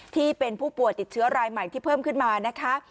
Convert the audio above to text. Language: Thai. ที่เป็นผู้ป่วยติดเชื้อรายใหม่ที่เพิ่มขึ้นมานะคะ